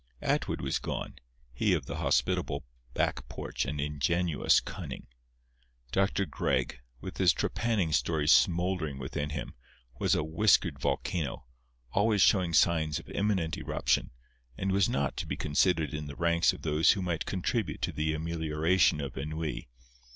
Atwood was gone—he of the hospitable back porch and ingenuous cunning. Dr. Gregg, with his trepanning story smouldering within him, was a whiskered volcano, always showing signs of imminent eruption, and was not to be considered in the ranks of those who might contribute to the amelioration of ennui.